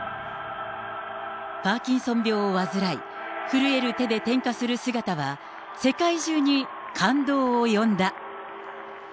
パーキンソン病を患い、震える手で点火する姿は、世界中に感動を呼んだ。